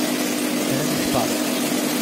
Enemy spotted!